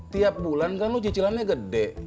tiap bulan kan lo cicilannya gede